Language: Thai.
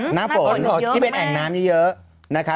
หน้าฝนที่เป็นแอ่งน้ำเยอะนะคะ